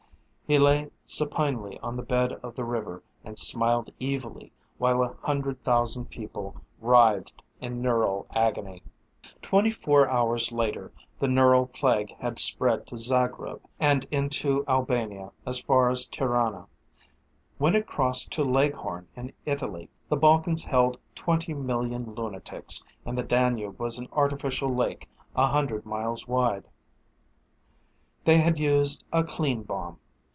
He lay supinely on the bed of the river and smiled evilly while a hundred thousand people writhed in neural agony. Twenty four hours later the neural plague had spread to Zagreb and into Albania as far as Tirana. When it crossed to Leghorn in Italy the Balkans held twenty million lunatics and the Danube was an artificial lake a hundred miles wide. They had used a "clean" bomb.